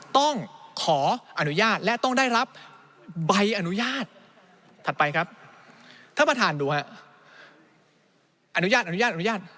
ต้องขออนุญาตและต้องได้รับใบอนุญาตถัดไปครับท่านประธานดูฮะอนุญาตอนุญาตอนุญาต